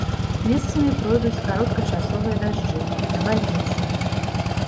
Месцамі пройдуць кароткачасовыя дажджы, навальніцы.